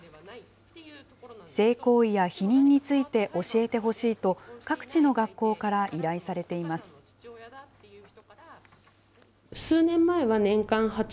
性行為や避妊について教えてほしいと、各地の学校から依頼されています。